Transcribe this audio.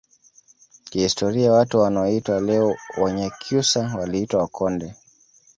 Kihistoria watu wanaoitwa leo Wanyakyusa waliitwa Wakonde